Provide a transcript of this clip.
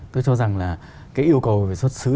tôi cho rằng là cái yêu cầu về xuất xứ